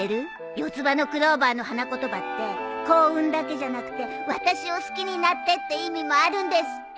四つ葉のクローバーの花言葉って「幸運」だけじゃなくて「私を好きになって」って意味もあるんですって。